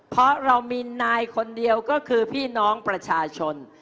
เพราะเรามีนายคนเดียวก็คือพี่น้องประชาชน